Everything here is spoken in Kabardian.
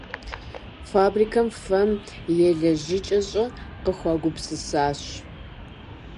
Фабрикэм фэм елэжьыкӏэщӏэ къыхуагупсысащ.